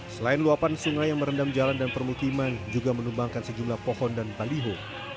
selain luapan sungai yang merendam jalan dan permukiman juga menumbangkan sejumlah pohon dan baliho